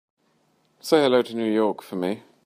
Say hello to New York for me.